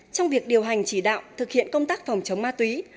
trong việc điều hành chỉ đạo thực hiện công tác phòng chống ma túy